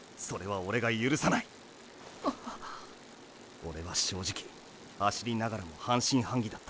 オレは正直走りながらも半信半疑だった。